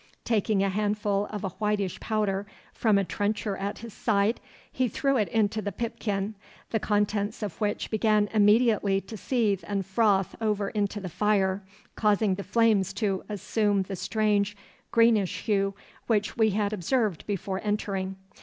Taking a handful of a whitish powder from a trencher at his side he threw it into the pipkin, the contents of which began immediately to seethe and froth over into the fire, causing the flames to assume the strange greenish hue which we had observed before entering.